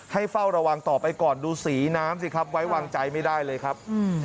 เฝ้าระวังต่อไปก่อนดูสีน้ำสิครับไว้วางใจไม่ได้เลยครับ